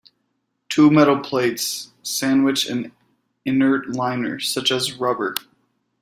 Two metal plates sandwich an inert liner, such as rubber.